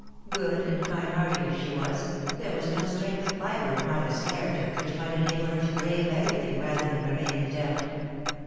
Good and kind hearted as she was, there was no strength of fibre in Martha's character which might enable her to brave every thing rather than remain in doubt.